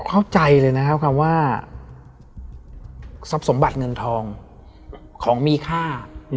เข้าใจเลยนะครับคำว่าทรัพย์สมบัติเงินทองของมีค่า